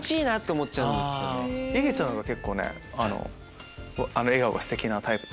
いげちゃんが結構ね笑顔がステキなタイプ。